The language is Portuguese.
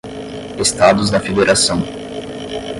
Estados da Federação